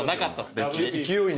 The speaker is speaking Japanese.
別に。